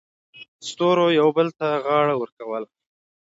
ستورو یو بل ته غاړه ورکوله.